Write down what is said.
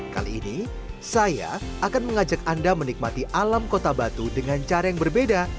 kali ini saya akan mengajak anda menikmati alam kota batu dengan cara yang berbeda